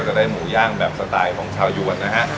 จะได้หมูย่างแบบสไตล์ของชาวยวนนะฮะ